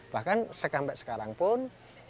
bahkan sekampak sekarang pun